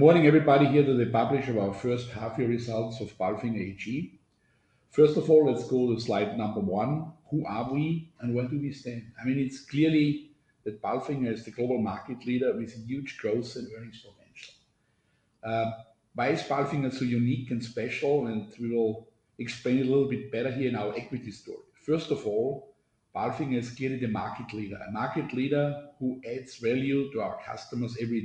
Good morning everybody, here to the publication of our first half-year results of Palfinger AG. First of all, let's go to slide number one. Who are we and where do we stand. I mean, it's clear that Palfinger is the global market leader with huge growth and earnings potential. Why is Palfinger so unique and special. We will explain it a little bit better here in our equity story. First of all, Palfinger is clearly the market leader, a market leader who adds value to our customers every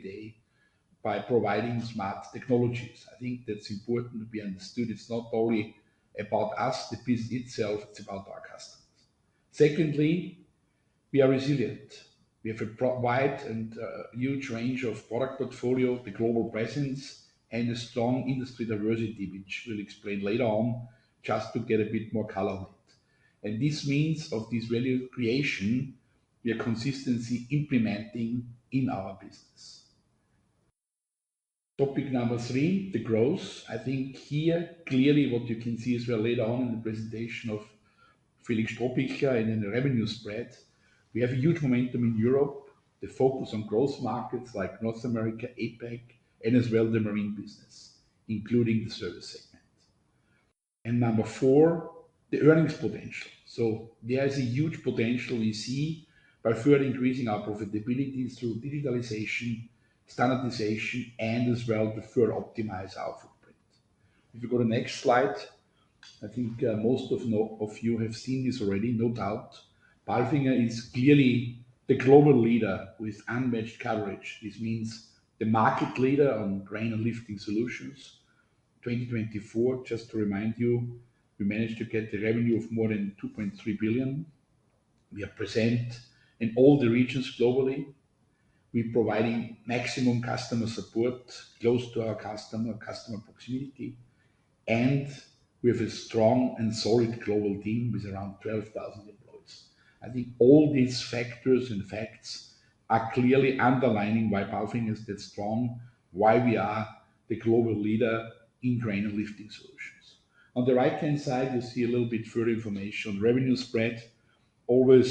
This means this value creation we are consistently implementing in our business. Topic number three, the growth. I think here clearly what you can see as well later on in the presentation of Felix Strohbichler and in the revenue spread, we have a huge momentum in Europe, a focus on growth markets like North America, APAC, and as well the marine business including the service segment. Number four, the earnings potential. There is a huge potential we see by further increasing our profitability through digitalization, standardization, and as well to further optimize our footprint. If you go to the next slide, I think most of you have seen this already, no doubt. Palfinger is clearly the global leader with unmatched coverage. This means the market leader on crane and lifting solutions. 2024, just to remind you, we managed to get the revenue of more than 2.3 billion. We are present in all the regions globally. We’re providing maximum customer support close to our customers, customer proximity, and we have a strong and solid global team with around 12,000 employees. I think all these factors and facts are clearly underlining why Palfinger is that strong, why we are the global leader in crane and lifting solutions. On the right-hand side, you’ll see a little bit further information on revenue spread, always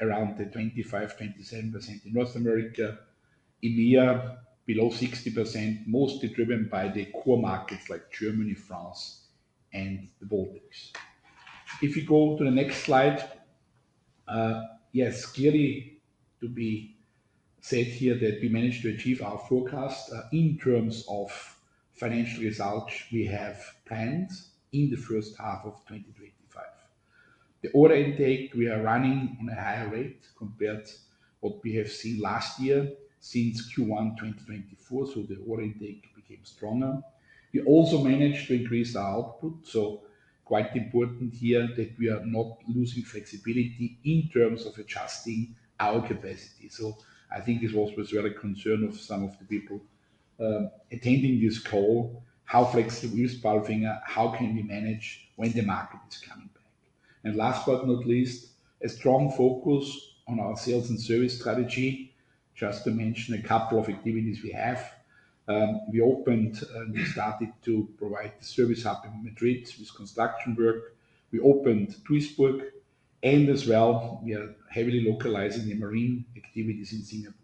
around 25%-27% in North America, EMEA below 60%, mostly driven by the core markets like Germany, France, and the Baltics. If you go to the next slide, clearly to be said here that we managed to achieve our forecast in terms of financial results. We have plans in the first half of 2025. The order intake, we are running on a higher rate compared to what we have seen last year since Q1 2024, so the order intake became stronger. We also managed to increase our output, so quite important here that we are not losing flexibility in terms of adjusting our capacity. I think this was also a concern of some of the people attending this call. How flexible is Palfinger. How can we manage when the market is coming back. Last but not least, a strong focus on our sales and service strategy. Just to mention a couple of activities we have, we opened and we started to provide the service hub in Madrid with construction work. We opened Duisburg and as well we are heavily localizing the marine activities in Singapore.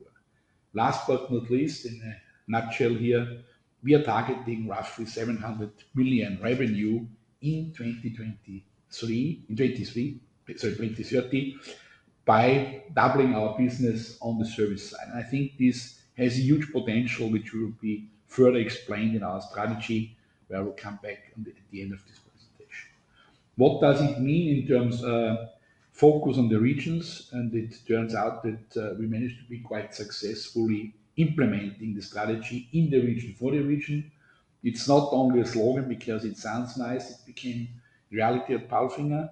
Last but not least, in a nutshell here, we are targeting roughly $700 million revenue in 2023, sorry, 2030, by doubling our business on the service side. I think this has a huge potential, which will be further explained in our strategy where we’ll come back at the end of this presentation. What does it mean in terms of focus on the regions. It turns out that we managed to be quite successfully implementing the strategy in the region for the region. It’s not only a slogan because it sounds nice; it became a reality at Palfinger.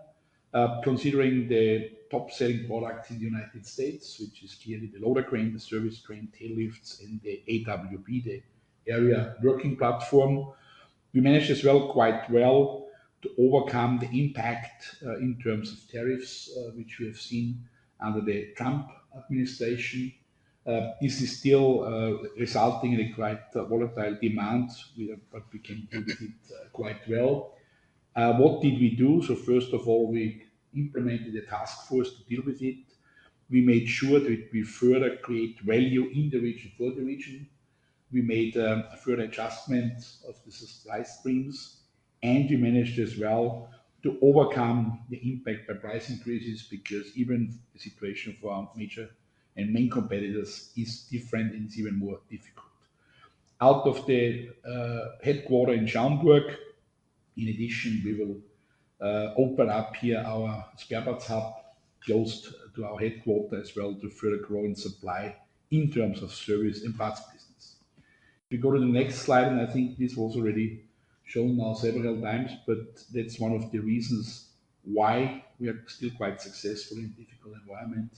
Considering the top-selling product in the United States, which is clearly the loader crane, the service crane, tail lifts, and the area working platforms, we managed as well quite well to overcome the impact in terms of tariffs, which we have seen under the Trump administration. This is still resulting in a quite volatile demand, but we can deal with it quite well. What did we do. First of all, we implemented a task force to deal with it. We made sure that we further create value in the region for the region. We made a further adjustment of the supply streams, and we managed as well to overcome the impact by price increases because even the situation for our major and main competitors is different and it’s even more difficult. Out of the headquarter in Schaumburg, in addition, we will open up here our spare parts hub close to our headquarters as well to further grow in supply in terms of service and parts business. If you go to the next slide, and I think this was already shown now several times, but that’s one of the reasons why we are still quite successful in a difficult environment,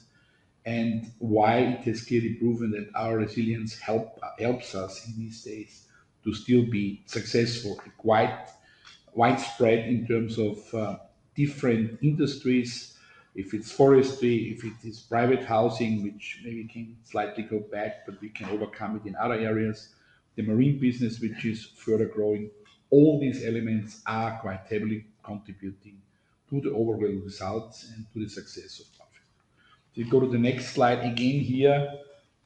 and why it has clearly proven that our resilience helps us in these states to still be successful and quite widespread in terms of different industries. If it’s forestry, if it is private housing, which maybe can slightly go back, but we can overcome it in other areas, the marine business, which is further growing, all these elements are quite heavily contributing to the overall results and to the success of something. If you go to the next slide again, here,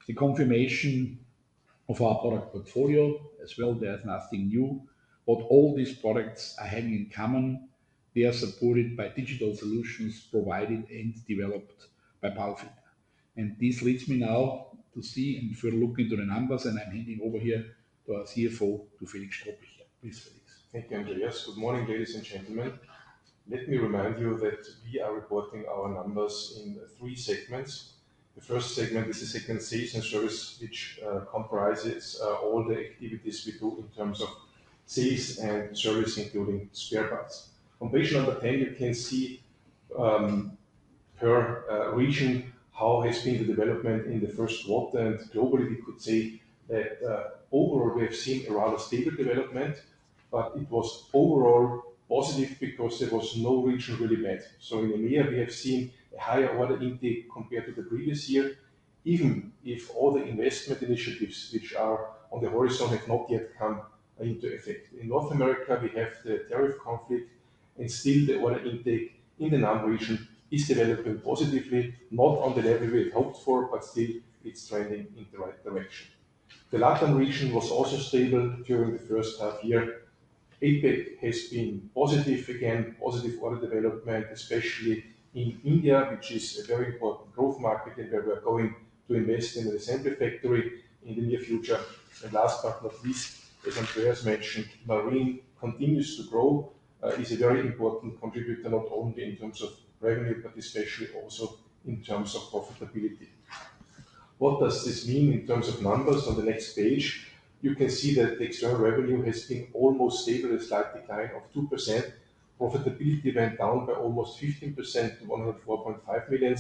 the confirmation of our product portfolio as well, there’s nothing new. What all these products are having in common, they are supported by digital solutions provided and developed by Palfinger. This leads me now to see and further look into the numbers, and I’m handing over here to our CFO, to Felix Strohbichler. Please, Felix. Thank you, Andreas. Good morning, ladies and gentlemen. Let me remind you that we are reporting our numbers in three segments. The first segment is the sales and service, which comprises all the activities we do in terms of sales and service, including spare parts. On page number 10, you can see per region how the development has been in the first quarter, and globally, we could say that overall we have seen a rather stable development, but it was overall positive because there was no region really bad. In EMEA, we have seen a higher order intake compared to the previous year, even if all the investment initiatives which are on the horizon have not yet come into effect. In North America, we have the tariff conflict, and still the order intake in the NAM region is developing positively, not on the level we hoped for, but still it’s trending in the right direction. The LatAm region was also stable during the first half year. APAC has been positive again, positive order development, especially in India, which is a very important growth market and where we’re going to invest in the recent effect to read in the near future. Last but not least, as Andreas mentioned, marine continues to grow, is a very important contributor not only in terms of revenue, but especially also in terms of profitability. What does this mean in terms of numbers. On the next page, you can see that the external revenue has been almost stable. It’s like the kind of 2%. Profitability went down by almost 15% to 104.5 million.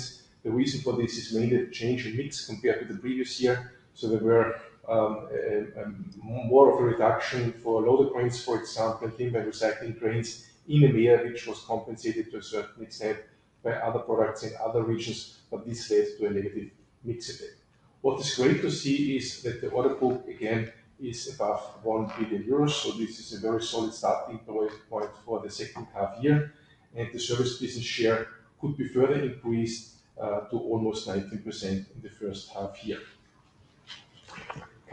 The reason for this is mainly a change in mix compared to the previous year. There was more of a reduction for loader cranes, for example, and things like recycling cranes in EMEA, which was compensated to a certain extent by other products in other regions, but this led to a negative mix effect. What is great to see is that the order book again is above 1 billion euros. This is a very solid starting point for the second half year, and the service business share could be further increased to almost 19% in the first half year.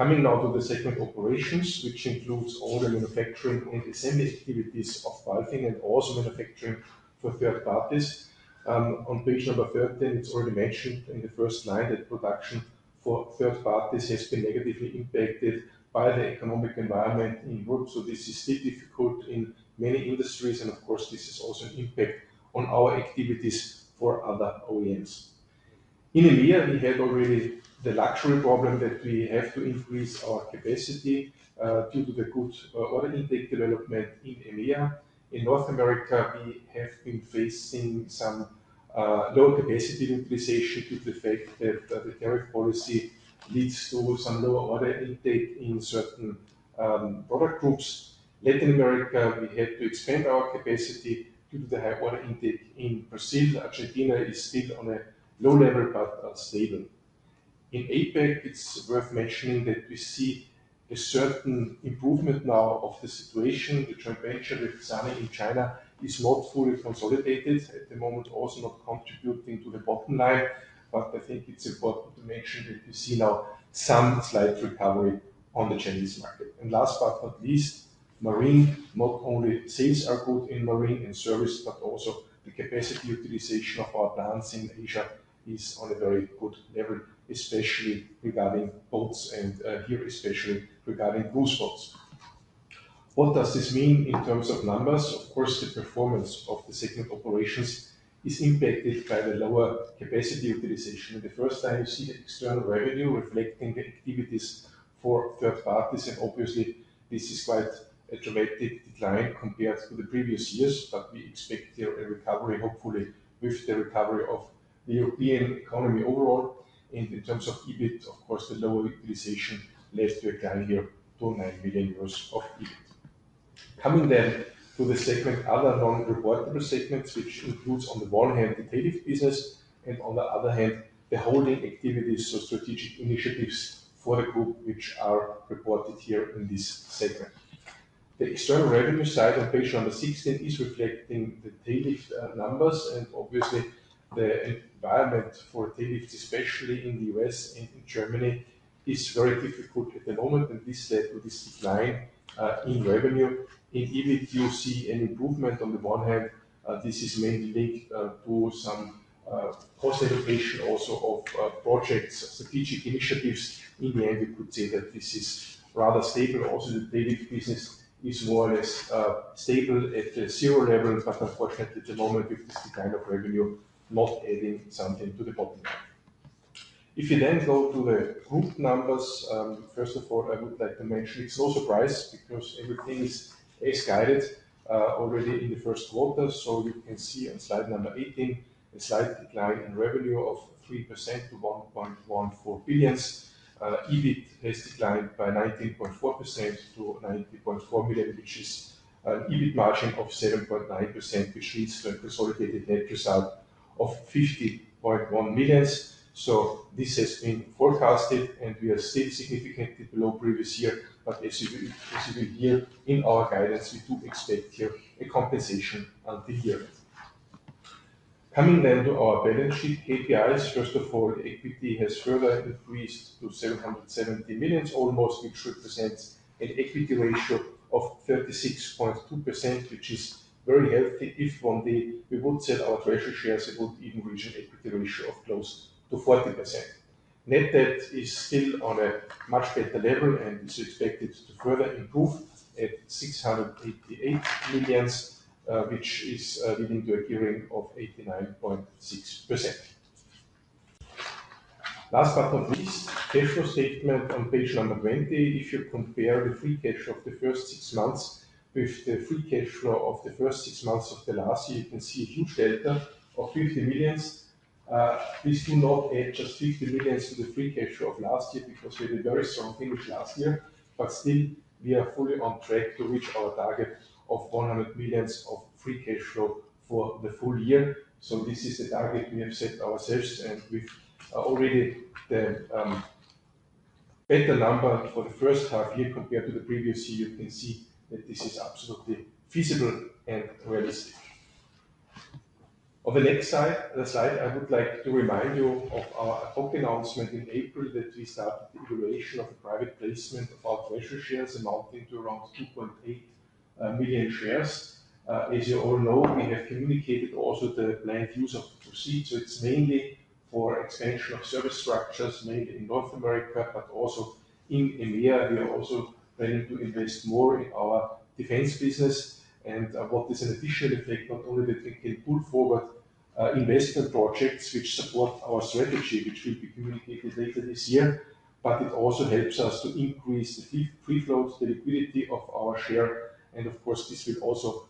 Coming now to the segment operations, which includes all the manufacturing and assembly activities of Palfinger and also manufacturing for third parties. On page number 13, it’s already mentioned in the first line that production for third parties has been negatively impacted by the economic environment in Europe. This is still difficult in many industries, and of course, this is also an impact on our activities for other OEMs. In EMEA, we had already the luxury problem that we have to increase our capacity due to the good order intake development in EMEA. In North America, we have to increase in some lower capacity utilization due to the fact that the tariff policy leads to some lower order intake in certain product groups. In Latin America, we have to expand our capacity due to the high order intake. In Brazil, Argentina is still on a low level, but stable. In APAC, it’s worth mentioning that we see a certain improvement now of the situation. The trade pressure that is running in China is not fully consolidated at the moment, also not contributing to the bottom line, but I think it’s important to mention that we see now some slight recovery on the Chinese market. Last but not least, marine, not only sales are good in marine and service, but also the capacity utilization of our plants in Asia is on a very good level, especially regarding boats and here, especially regarding cruise boats. What does this mean in terms of numbers. Of course, the performance of the segment operations is impacted by the lower capacity utilization. The first time you see the external revenue reflect in the activities for third parties. Obviously, this is quite a dramatic decline compared to the previous years, but we expect here a recovery, hopefully with the recovery of the European economy overall. In terms of EBIT, of course, the lower utilization led to a decline here to 9 million euros of EBIT. Coming then to the segment other non-reportable segments, which includes on the one hand the tariff business and on the other hand the holding activities or strategic initiatives for the group, which are reported here in this segment. The external revenue side on page number 16 is reflecting the tariff numbers, and obviously, the environment for tariffs, especially in the U.S. and in Germany, is very difficult at the moment, and this led to this decline in revenue. You see an improvement on the one hand. This is mainly linked to some cost allocation also of projects, strategic initiatives. In the end, we could say that this is rather stable. Also, the tariff business is more or less stable at the zero level, but unfortunately at the moment because the kind of revenue is not adding something to the bottom line. If you then go to the group numbers, first of all, I would like to mention it’s no surprise because everything is as guided already in the first quarter. You can see on slide number 18 a slight decline in revenue of 3% to 1.14 billion. EBIT has declined by 19.4% to 19.4 million, which is an EBIT margin of 7.9%, which leads to a consolidated net result of 50.1 million. This has been forecasted, and we are still significantly below the previous year. As you can hear in our guidance, we do expect here a compensation out of the year. Coming then to our balance sheet KPIs, first of all, equity has further increased to almost 770 million, which represents an equity ratio of 36.2%, which is very healthy. If one day we would set out treasury shares, it would even reach an equity ratio of close to 40%. Net debt is still on a much better level, and it’s expected to further improve at 688 million, which is leading to a gain of 89.6%. Last but not least, cash flow statement on page number 20. If you compare the free cash flow of the first six months with the free cash flow of the first six months of last year, you can see a huge delta of 50 million. This will not add just 50 million to the free cash flow of last year because we had a very strong finish last year, but still we are fully on track to reach our target of 100 million of free cash flow for the full year. This is the target we have set ourselves, and we’ve already a better number for the first half year compared to the previous year. You can see that this is absolutely feasible and realistic. On the next slide, I would like to remind you of our COP announcement in April that we started the evaluation of a private placement of our treasury shares amounting to around 2.8 million shares. As you all know, and I have communicated also the planned use of proceeds, it’s mainly for expansion of service structures, mainly in North America, but also in EMEA. We are also planning to invest more in our defense business, and what is an additional effect, not only that we can pull forward investment projects which support our strategy, which will be communicated later this year, but it also helps us to increase the free float, the liquidity of our share, and of course, this will also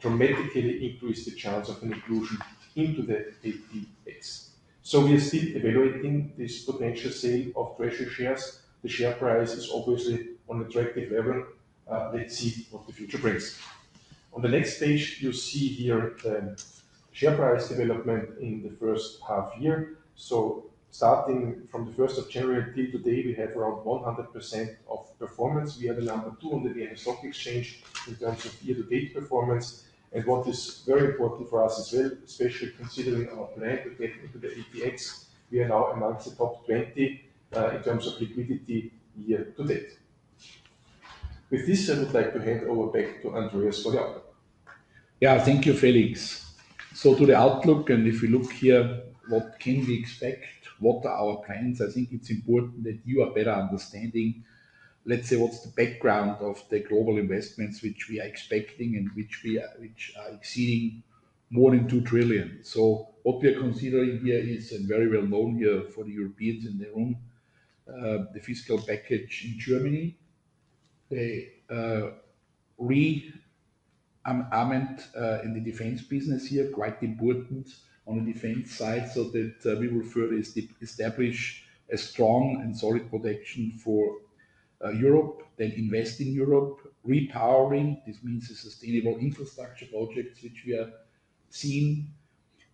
dramatically increase the chance of an inclusion into the ATX. We are still evaluating this potential sale of treasury shares. The share price is obviously on a tracking level. Let’s see what the future brings. On the next page, you’ll see here the share price development in the first half year. Starting from January 1 till today, we have around 100% of performance. We have a 200 million stock exchange in terms of year-to-date performance. What is very important for us as well, especially considering our plan to get into the APAC, we are now amongst the top 20 in terms of liquidity year to date. With this, I would like to hand over back to Andreas for the outlook. Yeah, thank you, Felix. To the outlook, if we look here, what can we expect. What are our plans. I think it’s important that you have a better understanding, let’s say, of the background of the global investments which we are expecting and which are exceeding more than 2 trillion. What we are considering here is, and very well known for the Europeans, the fiscal package in Germany, the rearmament in the defense business here, quite important on the defense side, so that we will further establish a strong and solid protection for Europe, then invest in Europe, repowering. This means the sustainable infrastructure projects which we are seeing,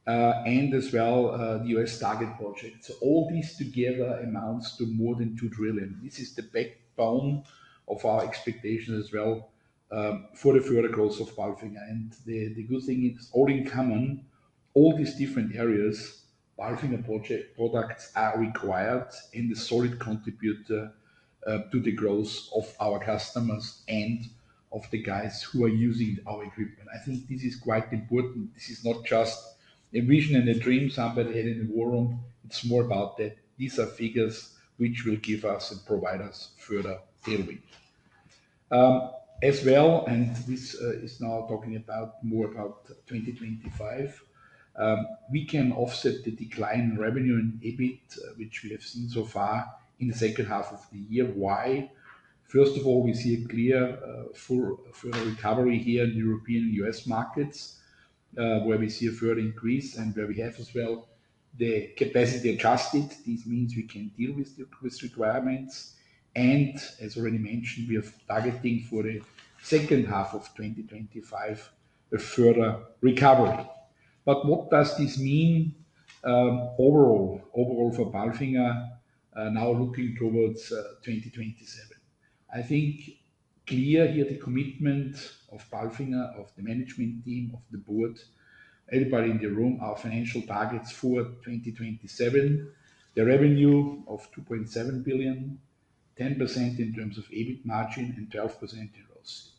and as well the U.S. target projects. All this together amounts to more than 2 trillion. This is the backbone of our expectations as well for the further growth of Palfinger. The good thing is, all in common, all these different areas, Palfinger products are required and a solid contributor to the growth of our customers and of the people who are using our equipment. I think this is quite important. This is not just a vision and a dream somebody had in a war room. It’s more about that. These are figures which will give us and provide us further tailwind. As well, and this is now talking more about 2025, we can offset the decline in revenue and EBIT, which we have seen so far in the second half of the year. Why. First of all, we see a clear further recovery here in the European and U.S. markets, where we see a further increase and where we have as well the capacity adjusted. This means we can deal with the requirements. As already mentioned, we are targeting for the second half of 2025 a further recovery. What does this mean overall for Palfinger now looking towards 2027. I think it’s clear here, the commitment of Palfinger, of the management team, of the board, everybody in the room, our financial targets for 2027, the revenue of 2.7 billion, 10% in terms of EBIT margin, and 12% in gross.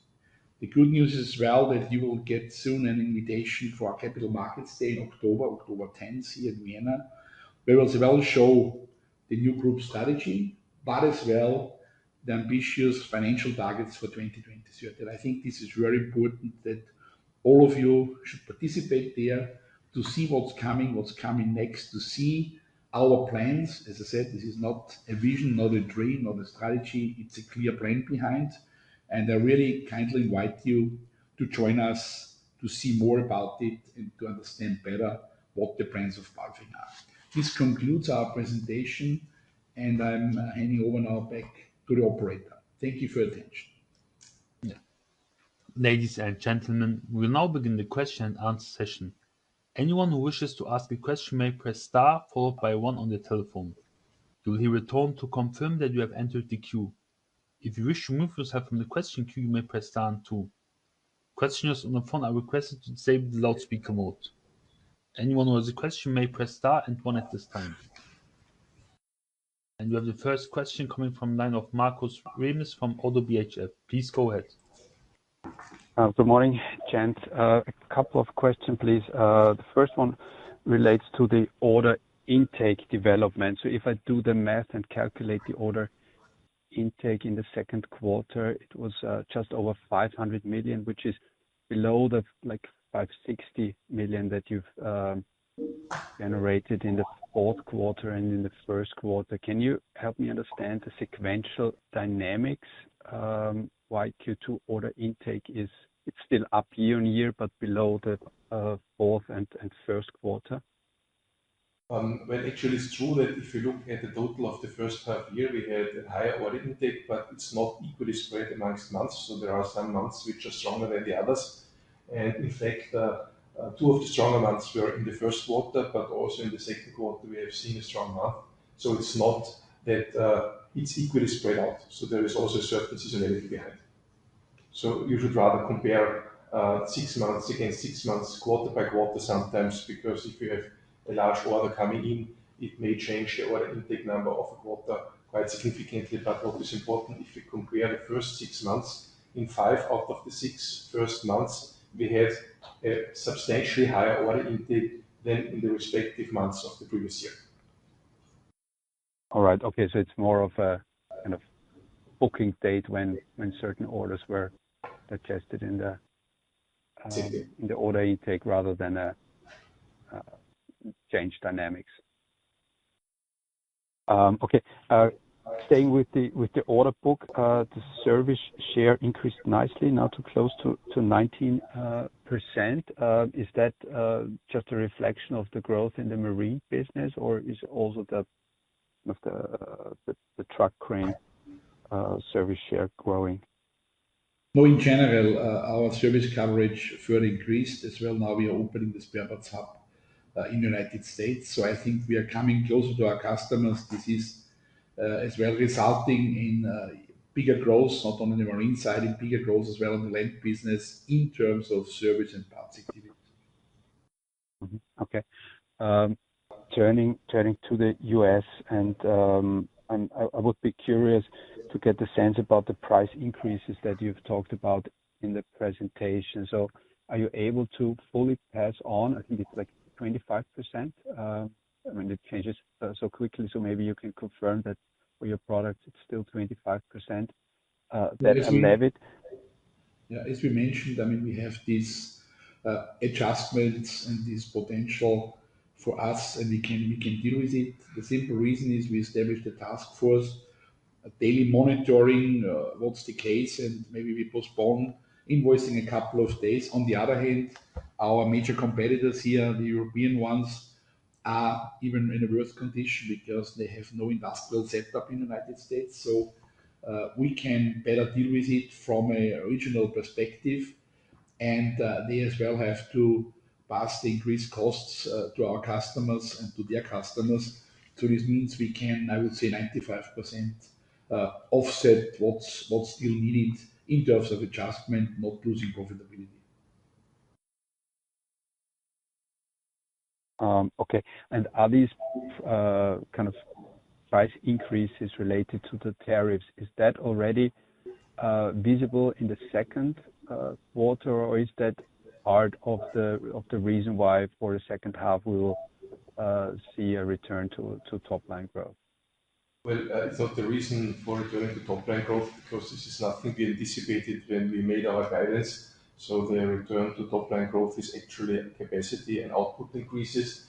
The good news is as well that you will soon get an invitation for our Capital Markets Day in October, October 10 here in Vienna, where we’ll show the new group strategy, but as well the ambitious financial targets for 2027. I think this is very important, and all of you should participate there to see what’s coming, what’s coming next, to see our plans. As I said, this is not a vision, not a dream, not a strategy. It’s a clear plan behind. I really kindly invite you to join us to see more about it and to understand better what the plans of Palfinger are. This concludes our presentation, and I’m handing over now back to the operator. Thank you for your attentionz. Ladies and gentlemen, we will now begin the question-and-answer session. Anyone who wishes to ask a question may press star followed by one on your telephone. You will hear a tone to confirm that you have entered the queue. If you wish to move yourself from the question queue, you may press star and two. Questioners on the phone are requested to disable the loudspeaker mode. Anyone who has a question may press star and one at this time. You have the first question coming from the line of Marcus Ramis from Oddo BHF. Please go ahead. Good morning, Chant. A couple of questions, please. The first one relates to the order intake development. If I do the math and calculate the order intake in the second quarter, it was just over 500 million, which is below the 560 million that you’ve generated in the fourth quarter and in the first quarter. Can you help me understand the sequential dynamics. Why Q2 order intake is still up year on year, but below the fourth and first quarter. Actually, it’s true that if you look at the total of the first half year, we had a higher order intake, but it’s not equally spread amongst months. There are some months which are stronger than the others. In fact, two of the stronger months were in the first quarter, but also in the second quarter, we have seen a strong month. It’s not that it’s equally spread out. There is also a surplus in energy behind. You should rather compare six months against six months, quarter by quarter sometimes, because if you have a large order coming in, it may change the order intake number of a quarter quite significantly. What is important is if you compare the first six months, in five out of the six first months, we had a substantially higher order intake than in the respective months of the previous year. All right. Okay. It’s more of a kind of booking date when certain orders were digested in the order intake rather than a change in dynamics. Staying with the order book, the service share increased nicely, now to close to 19%. Is that just a reflection of the growth in the marine business, or is it also the truck crane service share growing. In general, our service coverage further increased as well. Now we are opening the spare parts hub in the United States. I think we are coming closer to our customers. This is as well resulting in bigger growth, not only on the marine side, in bigger growth as well on the land business in terms of service and parts activities. Okay. Turning to the United States, I would be curious to get the sense about the price increases that you’ve talked about in the presentation. Are you able to fully pass on. I think it’s like 25%. It changes so quickly. Maybe you can confirm that for your products, it’s still 25%. Yeah. As we mentioned, we have these adjustments and this potential for us, and we can deal with it. The simple reason is we established a task force daily monitoring what’s the case, and maybe we postpone invoicing a couple of days. On the other hand, our major competitors here, the European ones, are even in a worse condition because they have no industrial setup in the United States. We can better deal with it from a regional perspective. They as well have to pass the increased costs to our customers and to their customers. This means we can, I would say, 95% offset what’s still needed in terms of adjustment, not losing profitability. Are these kind of price increases related to the tariffs. Is that already visible in the second quarter, or is that part of the reason why for the second half we will see a return to top-line growth. The reason for a return to top-line growth is because this is nothing we anticipated when we made our guidance. The return to top-line growth is actually a capacity and output increases.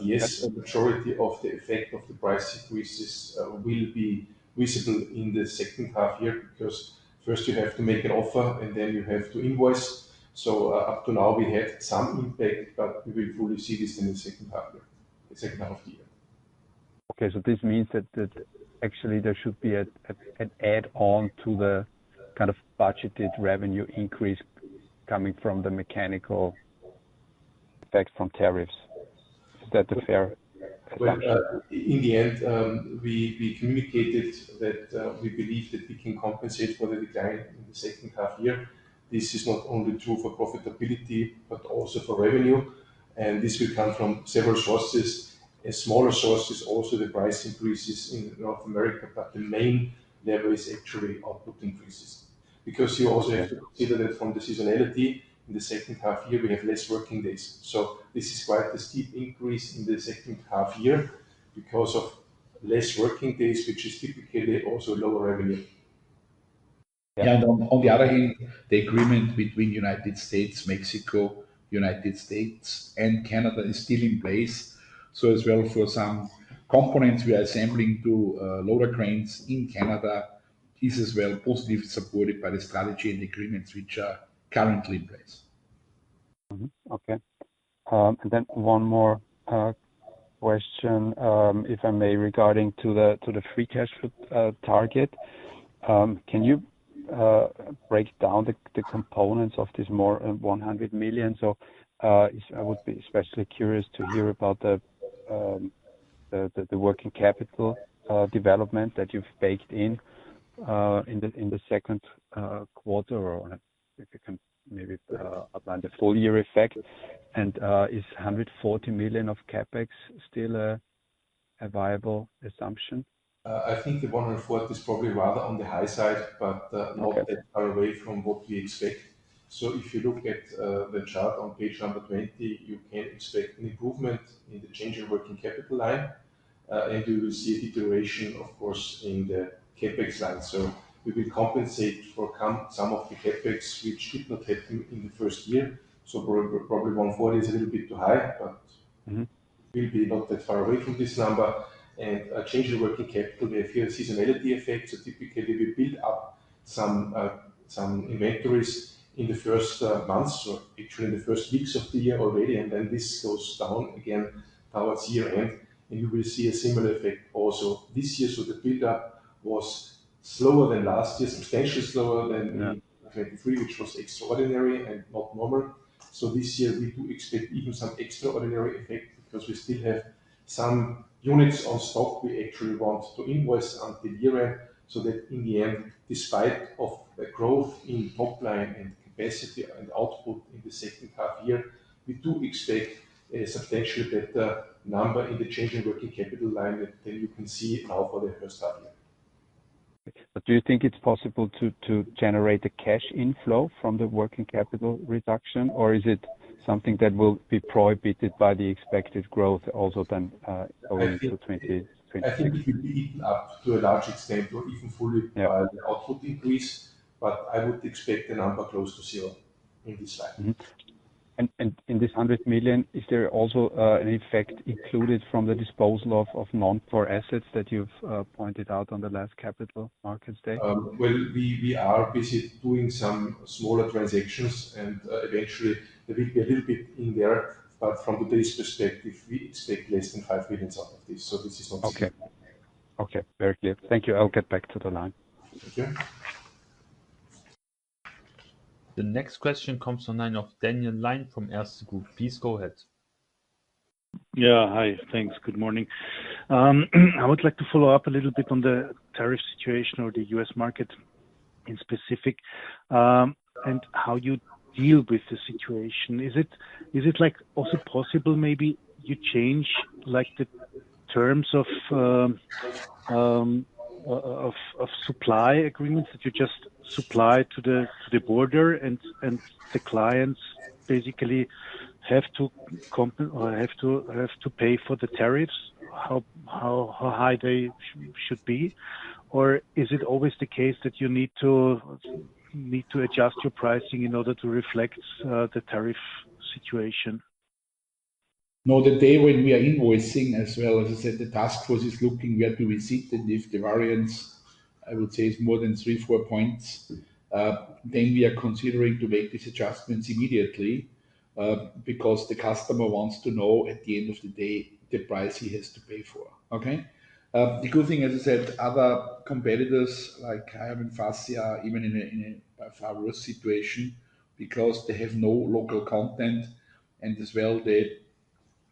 Yes, the majority of the effect of the price increases will be visible in the second half year because first you have to make an offer, and then you have to invoice. Up to now, we had some impact, but we will fully see this in the second half year. Okay. This means that actually there should be an add-on to the kind of budgeted revenue increase coming from the mechanical effect from tariffs. Is that fair. In the end, we communicated that we believe that we can compensate for the decline in the second half year. This is not only true for profitability, but also for revenue. This will come from several sources. A smaller source is also the price increases in North America, but the main lever is actually output increases. You also have to consider that from the seasonality in the second half year, we had fewer working days. This is quite a steep increase in the second half year because of fewer working days, which is typically also a lower revenue. On the other hand, the agreement between the United States, Mexico, and Canada is still in place. For some components we are assembling to loader cranes in Canada, this is also positively supported by the strategy and the agreements which are currently in place. Okay. One more question, if I may, regarding the free cash flow target. Can you break down the components of this more than 100 million. I would be especially curious to hear about the working capital development that you’ve baked in, in the second quarter, or if you can maybe outline the full-year effect. Is 140 million of CapEx still a viable assumption. I think the 140 is probably rather on the high side, but not that far away from what we expect. If you look at the chart on page number 20, you can expect an improvement in the change in working capital line. We will see a deterioration, of course, in the CapEx line. We will compensate for some of the CapEx, which did not happen in the first year. Probably 140 is a little bit too high, but we’ll be not that far away from this number. A change in working capital may appear as a seasonality effect. Typically, we build up some inventories in the first months, actually in the first weeks of the year already, and then this goes down again towards year end. We will see a similar effect also this year. The buildup was slower than last year, substantially slower than 2023, which was extraordinary and not normal. This year, we do expect even some extraordinary effect because we still have some units on stock we actually want to invoice until year end. In the end, despite the growth in top line and capacity and output in the second half year, we do expect a substantially better number in the change in working capital line than you can see out of the first half year. Do you think it’s possible to generate a cash inflow from the working capital reduction, or is it something that will be prohibited by the expected growth also then going into 2024. I think it will be eaten up to a larger extent or even fully, the output increase, but I would expect a number close to zero in this line. Is there also an effect included from the disposal of non-core assets that you’ve pointed out on the last Capital Markets Day in this USD 100 million. We are busy doing some smaller transactions, and eventually, there will be a little bit in there, but from today’s perspective, we expect less than 5 million out of this. This is not. Okay. Very clear. Thank you. I'll get back to the line. Yeah. The next question comes online of Daniel Lein from Erste Group. Please go ahead. Hi. Thanks. Good morning. I would like to follow up a little bit on the tariff situation or the U.S. market in specific and how you deal with the situation. Is it also possible maybe you change the terms of supply agreements that you just supply to the border and the clients basically have to pay for the tariffs, how high they should be. Is it always the case that you need to adjust your pricing in order to reflect the tariff situation. No, the day when we are invoicing as well, as I said, the task force is looking where do we sit, and if the variance, I would say, is more than 3, 4 points, then we are considering to make these adjustments immediately because the customer wants to know at the end of the day the price he has to pay for. The good thing, as I said, other competitors like I have in Fassi are even in a far worse situation because they have no local content, and as well the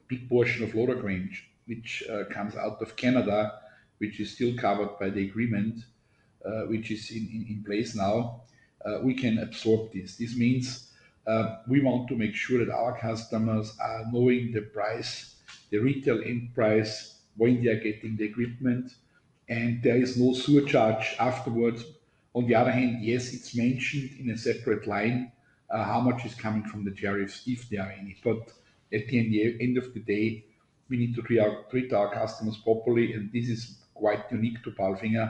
big portion of loader cranes, which comes out of Canada, which is still covered by the agreement, which is in place now, we can absorb this. This means we want to make sure that our customers are knowing the price, the retail enterprise when they are getting the equipment, and there is no surcharge afterwards. On the other hand, yes, it’s mentioned in a separate line how much is coming from the tariffs if there are any. At the end of the day, we need to treat our customers properly. This is quite unique to Palfinger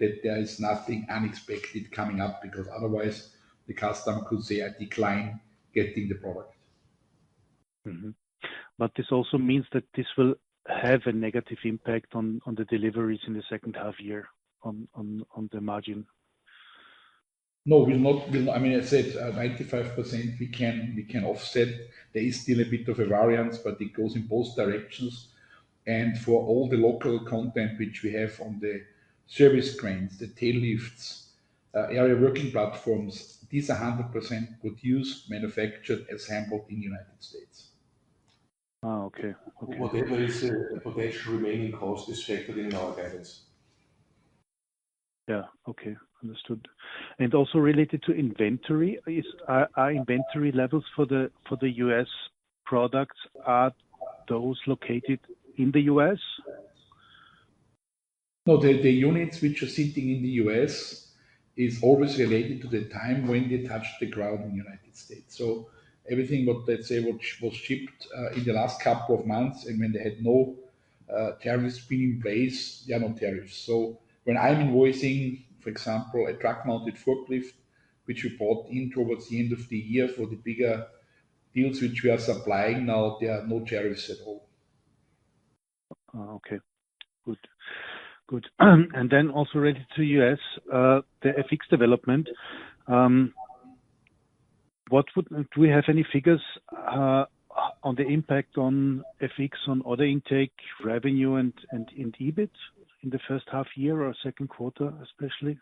that there is nothing unexpected coming up because otherwise, the customer could say I decline getting the product. This also means that this will have a negative impact on the deliveries in the second half year on the margin. No, will not. I mean, as I said, 95% we can offset. There is still a bit of a variance, but it goes in both directions. For all the local content which we have on the service cranes, the tail lifts, area working platforms, these are 100% produced, manufactured, and handled in the United States. Okay. Whatever is a potential remaining cost is factored in our guidance. Okay. Understood. Also related to inventory, are inventory levels for the U.S. products, are those located in the U.S. No, the units which are sitting in the U.S. are always related to the time when they touch the ground in the United States. Everything that was shipped in the last couple of months, and when there were no tariffs put in place, there are no tariffs. When I'm invoicing, for example, a truck-mounted forklift which we bought toward the end of the year for the bigger deals that we are supplying, there are no tariffs at all. Good. Also related to the U.S., the FX development — do we have any figures on the impact of FX on order intake, revenue, and EBIT in the first half year or second quarter, especially?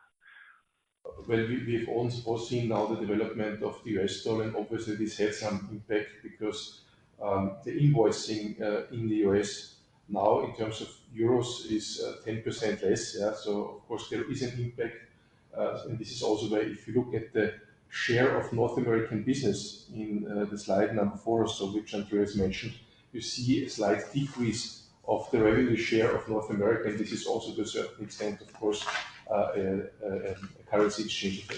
We've also seen now the development of the U.S. dollar, and obviously, this had some impact because the invoicing in the U.S., now in terms of euros, is 10% less. Yeah. Of course, there is an impact. This is also where, if you look at the share of North American business in slide number four or so, which Andreas mentioned, you see a slight decrease of the revenue share of North America. This is also, to a certain extent, of course, a currency change.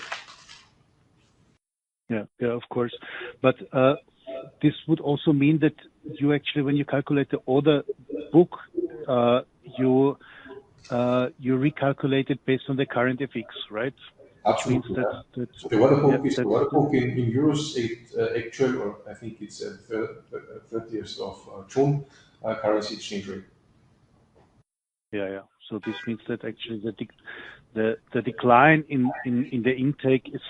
Of course. This would also mean that you actually, when you calculate the order book, you recalculate it based on the current FX, right? Absolutely. That's-- The waterfall is waterfall in euros. I think it's the 30th of June, currency exchange rate. This means that actually the decline in the intake is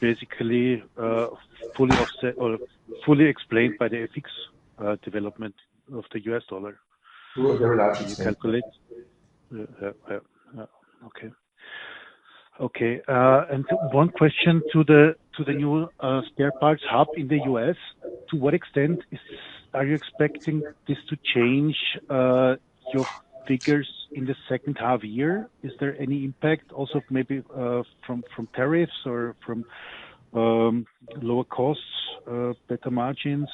basically fully explained by the FX development of the U.S. dollar. To a very large extent Calculate. Okay. One question regarding the new spare parts hub in the United States. To what extent are you expecting this to change your figures in the second half year? Is there any impact, maybe from tariffs, or from lower costs, better margins?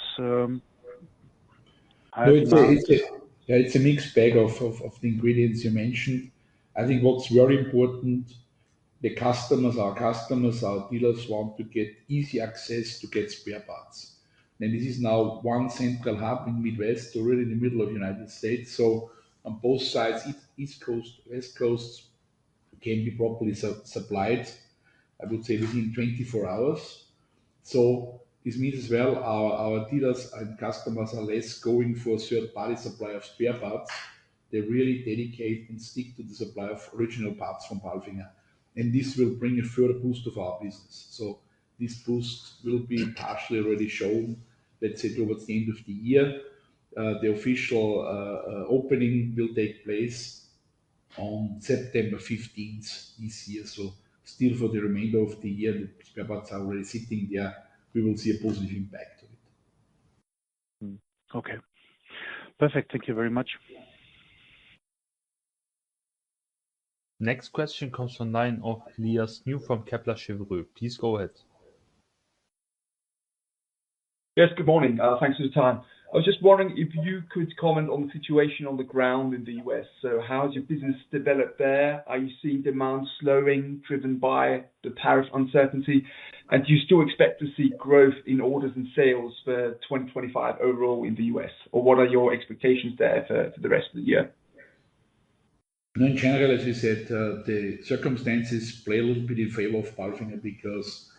Yeah, it's a mixed bag of the ingredients you mentioned. I think what’s very important is that our customers and dealers want to get easy access to spare parts. This is now one central hub in the Midwest, already in the middle of the United States. Both sides — East Coast and West Coast — can be properly supplied, I would say, within 24 hours. This means our dealers and customers are less likely to go for third-party supply of spare parts. They really dedicate and stick to the supply of original parts from Palfinger. This will bring a further boost to our business, and this boost will be partially shown toward the end of the year. The official opening will take place on September 15th this year. Still, for the remainder of the year, the spare parts are already sitting there. We will see a positive impact to it. Okay. Perfect. Thank you very much. The next question comes online from Elias New [Analyst] (Kepler Cheuvreux). Please go ahead. Yes, good morning. Thanks for the time. I was just wondering if you could comment on the situation on the ground in the U.S. How has your business developed there? Are you seeing demand slowing, driven by the tariff uncertainty? Do you still expect to see growth in orders and sales for 2025 overall in the U.S.? What are your expectations there for the rest of the year? In general, as I said, the circumstances play a little bit in favor of Palfinger because,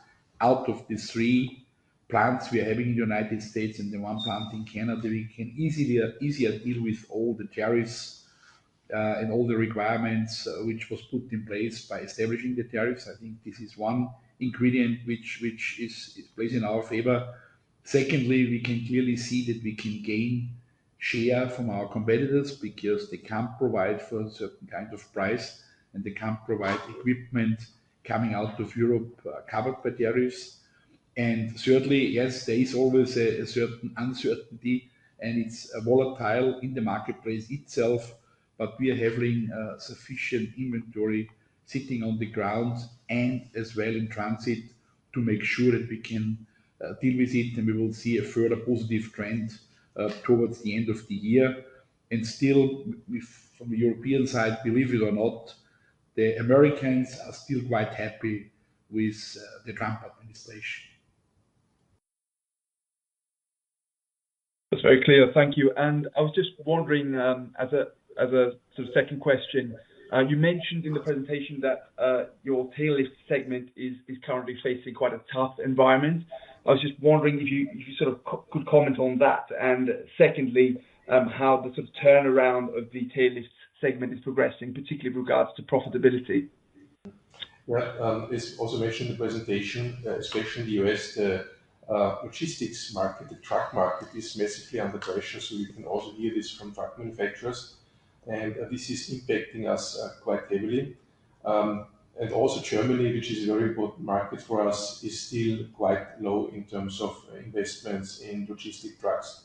out of the three plants we have in the United States and the one plant in Canada, we can easily deal with all the tariffs and all the requirements that were put in place by establishing the tariffs. I think this is one ingredient that works in our favor. Secondly, we can clearly see that we can gain share from our competitors because they can’t provide a certain kind of price, and they can’t provide equipment coming out of Europe covered by tariffs. Certainly, yes, there is always a certain uncertainty, and it’s volatile in the marketplace itself. We have sufficient inventory sitting on the ground and in transit to make sure that we can deal with it. We will see a further positive trend towards the end of the year. Still, from the European side, believe it or not, the Americans are still quite happy with the Trump administration. That’s very clear. Thank you. I was just wondering, as a sort of second question, you mentioned in the presentation that your tail lift segment is currently facing quite a tough environment. I was just wondering if you could comment on that. Secondly, how is the turnaround of the tail lift segment progressing, particularly with regard to profitability? As also mentioned in the presentation, especially in the U.S., the logistics market and the truck market are massively under pressure. You can also hear this from truck manufacturers, and this is impacting us quite heavily. Germany, which is a very important market for us, is still quite low in terms of investments in logistic trucks.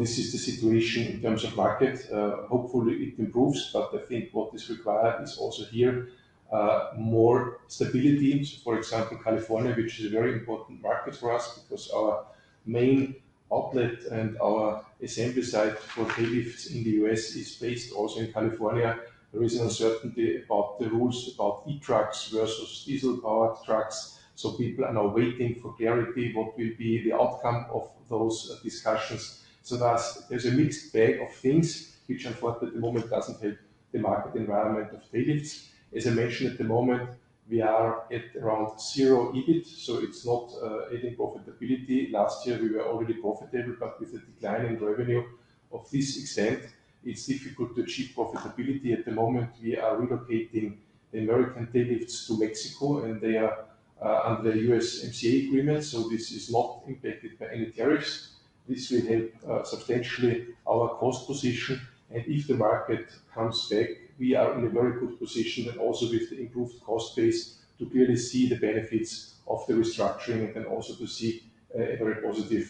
This is the situation in terms of markets. Hopefully, it improves, but I think what is required here is more stability. For example, California, which is a very important market for us because our main outlet and our assembly site for heavy lifts in the U.S. are also based in California, has uncertainty about the rules regarding e-trucks versus diesel-powered trucks. People are now waiting for CARB — what will be the outcome of those discussions? There is a mixed bag of things, which unfortunately at the moment doesn’t help the market environment for tail lifts. As I mentioned, at the moment, we are at around zero EBIT, so it’s not adding profitability. Last year, we were already profitable, but with a decline in revenue of this extent, it’s difficult to achieve profitability. At the moment, we are relocating the American tail lift production to Mexico, and it falls under the USMCA agreement. This is not impacted by any tariffs, and it will help substantially improve our cost position. If the market comes back, we are in a very good position — also with the improved cost base — to clearly see the benefits of the restructuring and a very positive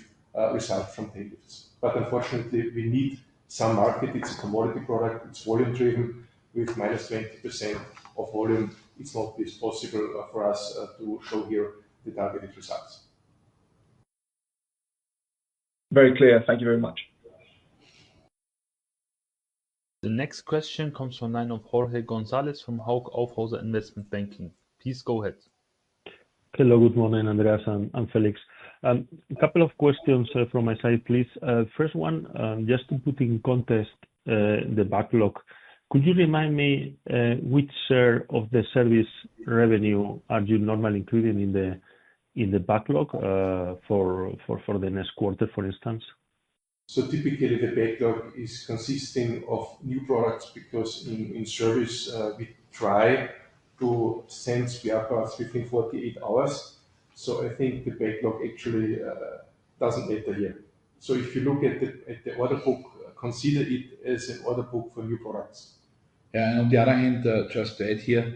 result from tail lifts. Unfortunately, we need some market; it’s a commodity product, and it’s volume-driven. With minus 20% in volume, it’s not possible for us to show the targeted results. Very clear. Thank you very much. The next question comes from the line of Jorge González Sadornil [Analyst] (Hauck Aufhäuser Investment Banking). Please go ahead. Hello. Good morning, Andreas and Felix. A couple of questions from my side, please. The first one, just to put the backlog in context, could you remind me which share of the service revenue you normally include in the backlog for the next quarter, for instance? Typically, the backlog consists of new products because, in service, we try to send spare parts within 48 hours. I think the backlog actually doesn’t matter here. If you look at the order book, consider it as an order book for new products. On the other hand, just to add here,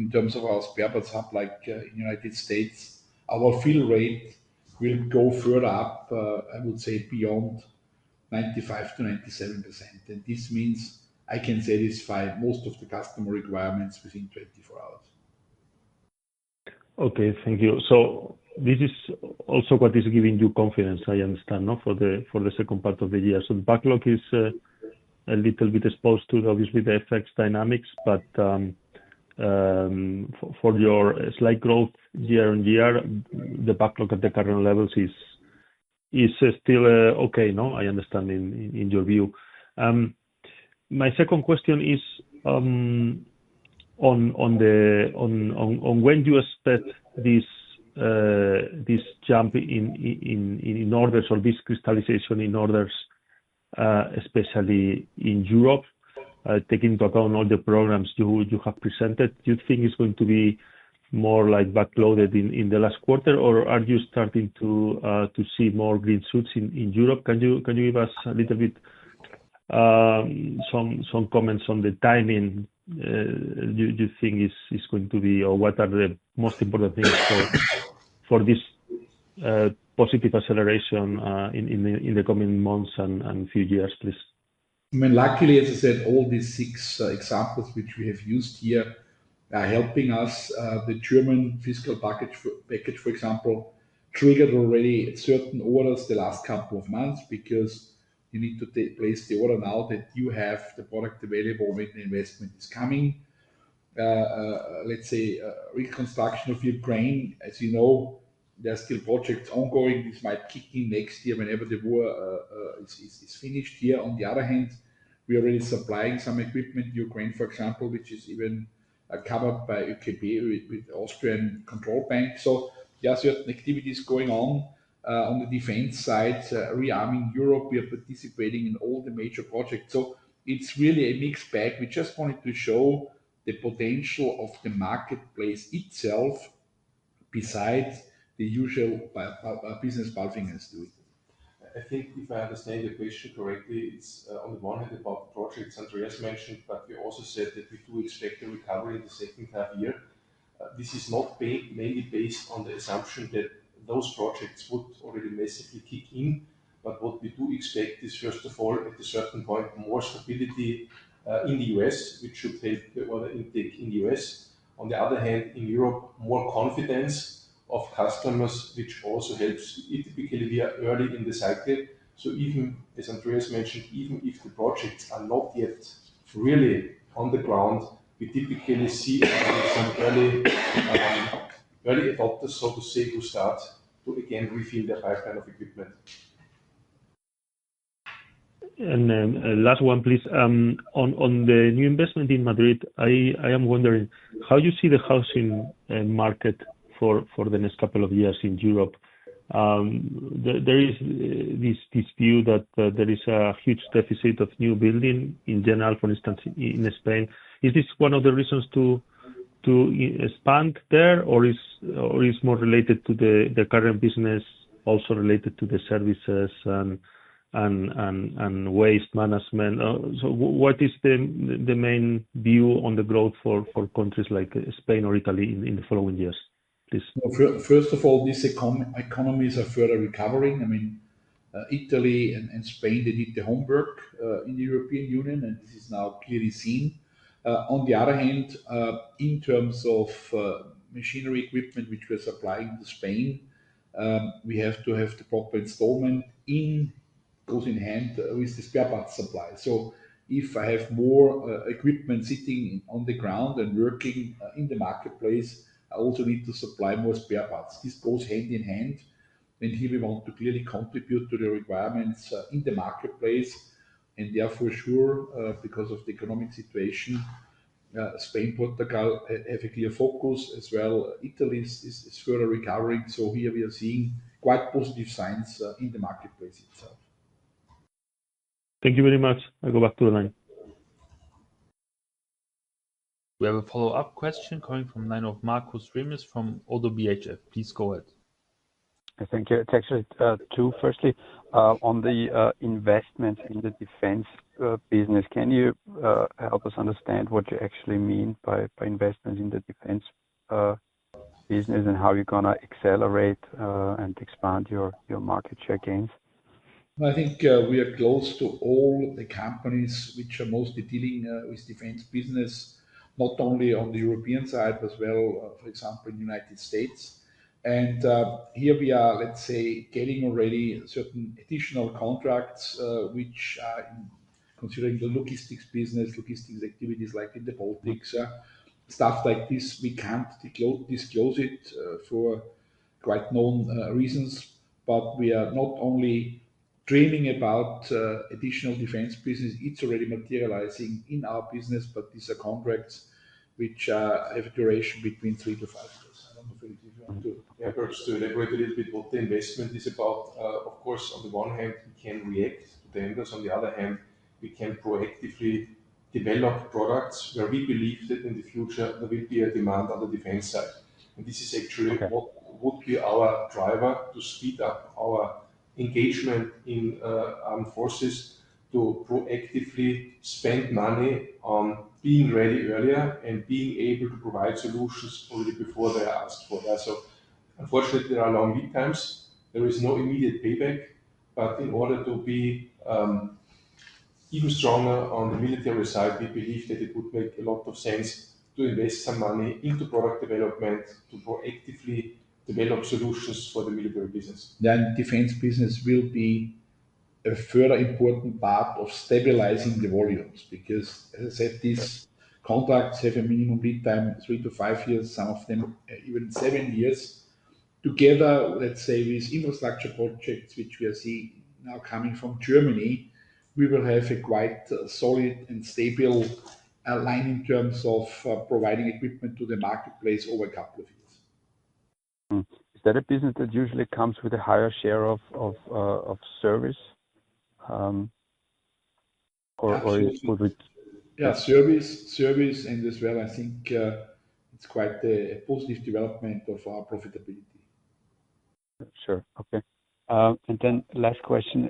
in terms of our spare parts hub — like in the United States — our fill rate will go further up, I would say, beyond 95% to 97%. This means I can satisfy most of the customer requirements within 24 hours. Okay. Thank you. This is also what is giving you confidence, I understand, for the second part of the year. The backlog is a little bit exposed to, obviously, the FX dynamics. For your slight growth year on year, the backlog at the current levels is still okay, I understand, in your view? Luckily, as I said, all these six examples that we have used here are helping us. The German fiscal package, for example, has already triggered certain orders in the last couple of months, because you need to place the order now so that you have the product available when the investment comes. Let’s say the reconstruction of Ukraine — as you know, there are still projects ongoing. This might kick in next year, whenever the war is finished. I think, if I understand your question correctly, it’s on the one hand about the projects Andreas mentioned, but we also said that we do expect a recovery in the second half of the year. This is not mainly based on the assumption that those projects would already massively kick in, but what we do expect is, first of all, at a certain point, more stability in the U.S., which should support the order intake in the U.S. On the other hand, in Europe, more confidence from customers will also help. On the new investment in Madrid, I’m wondering how you see the housing market for the next couple of years in Europe. There is this view that there is a huge deficit of new buildings in general — for instance, in Spain. Is this one of the reasons to expand there, or is it more related to the current business, also connected to services and waste management? What is your main view on growth for countries like Spain or Italy in the coming years? First of all, these economies are further recovering. I mean, Italy and Spain did their homework in the European Union, and this is now clearly visible. On the other hand, in terms of machinery and equipment that we’re supplying to Spain, we need the proper installations that go hand in hand with spare parts supply. If we have more equipment sitting on the ground and operating in the marketplace, we also need to supply more spare parts. This goes hand in hand. Thank you very much. I'll go back to the line. We have a follow-up question coming from the line of Marcus Ramis [Analyst] (ODDO BHF). Please go ahead. Thank you. It’s actually two questions. Firstly, on the investments in the defense business — can you help us understand what you actually mean by investments in the defense business, and how you’re going to accelerate and expand your market share gains? I think we are close to all the companies that are mainly dealing with defense business — not only on the European side but also, for example, in the United States. Here we are already receiving certain additional contracts related to logistics activities, such as in the Baltics. Matters like these, we can’t disclose for obvious reasons. Pe Perhaps to elaborate a little bit on what the investment is about — of course, on the one hand, we can react to tenders; on the other hand, we can proactively develop products where we believe that in the future there will be demand on the defense side. This is actually what drives us to speed up our engagement with armed forces — to proactively spend money, be ready earlier, and provide solutions even before they are asked for. Defense business will be a further important part of stabilizing the volumes because, as I said, these contracts have a minimum lead time of three to five years, some of them even seven years. Together with infrastructure projects that we are now seeing coming from Germany, we will have quite a solid and stable line in terms of providing equipment to the marketplace over the next few years. Is that a business that usually comes with a higher share of service? Or would it? Yeah — service, service, and as well, I think it’s quite a positive development for our profitability. Sure. Okay. Last question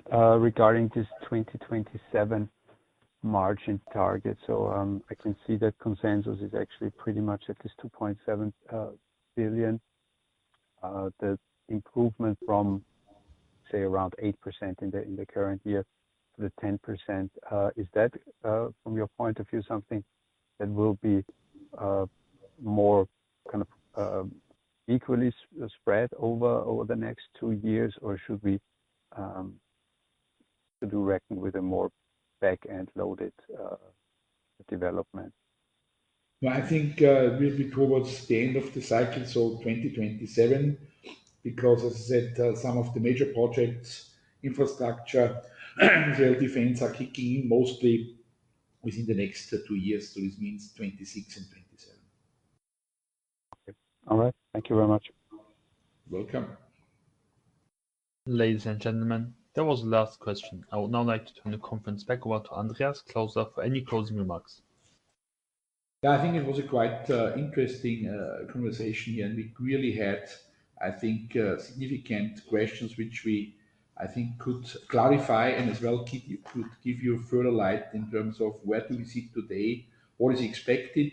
regarding this 2027 margin target. I can see that consensus is actually pretty much at this 2.7 billion. The improvement from, say, around 8% in the current year to 10% — is that, from your point of view, something that will be more equally spread over the next two years, or should we reckon with a more back-end-loaded development? I think really toward the end of the cycle — so 2027 — because, as I said, some of the major projects, both infrastructure and defense, are kicking in mostly within the next two years. This means 2026 and 2027. All right, thank you very much. Welcome. Ladies and gentlemen, that was the last question. I would now like to turn the conference back over to Andreas Klauser for any closing remarks. I I think it was quite an interesting conversation, and we really had significant questions that we could clarify and that also helped to shed more light on where we stand today and what is expected.